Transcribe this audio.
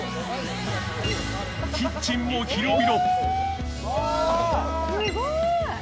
キッチンも広々。